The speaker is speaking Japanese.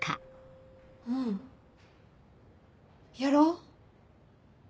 うんやろう。